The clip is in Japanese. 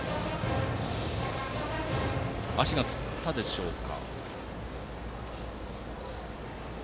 足がつったでしょうか。